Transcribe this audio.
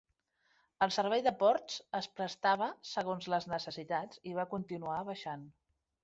El servei de ports es prestava segons les necessitats i va continuar baixant.